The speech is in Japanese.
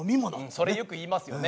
それよく言いますよね。